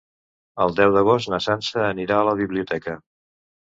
El deu d'agost na Sança anirà a la biblioteca.